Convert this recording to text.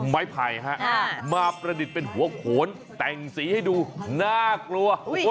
ไม้ไผ่ฮะมาประดิษฐ์เป็นหัวโขนแต่งสีให้ดูน่ากลัว